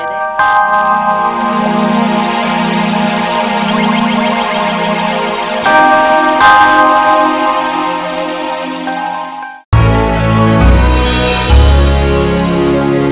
terima kasih pak